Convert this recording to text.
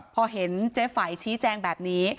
พอเห็นเจ๊ไฝชี้แจงแบบนี้